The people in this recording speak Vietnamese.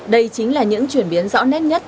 đây chính là những chuyển biến rõ nét nhất